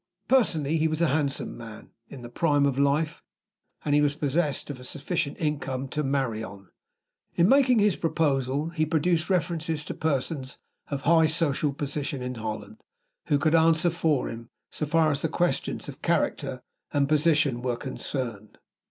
Personally he was a handsome man, in the prime of life; and he was possessed of a sufficient income to marry on. In making his proposal, he produced references to persons of high social position in Holland, who could answer for him, so far as the questions of character and position were concerned.